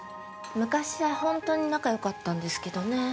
昔はホントに仲よかったんですけどね